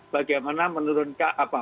bagaimana menurunkan apa